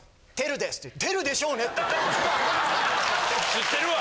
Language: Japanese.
知ってるわ！